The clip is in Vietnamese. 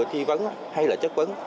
thi vấn hay là chất vấn